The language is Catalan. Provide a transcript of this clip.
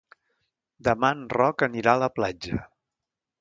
Demà en Roc anirà a la platja.